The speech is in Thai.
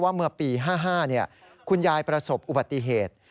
เมื่อปี๕๕คุณยายประสบอุบัติเหตุ